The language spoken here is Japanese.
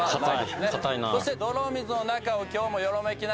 そして「泥水の中を今日もよろめきながら進む」